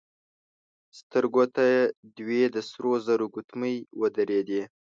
سترګو ته يې دوې د سرو زرو ګوتمۍ ودرېدې.